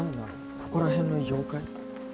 ここら辺の妖怪？